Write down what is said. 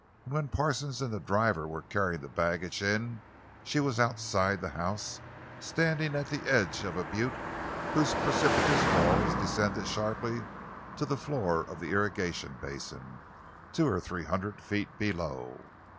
And when Parsons and the driver were carrying the baggage in she was outside the house, standing at the edge of a butte whose precipitous walls descended sharply to the floor of the irrigation basin, two or three hundred feet below.